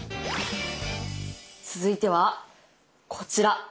続いてはこちら。